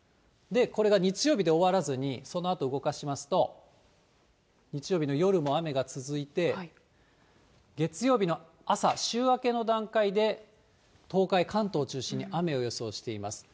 これが日曜日で終わらずに、そのあと動かしますと、日曜日の夜も雨が続いて、月曜日の朝、週明けの段階で、東海、関東を中心に雨を予想しています。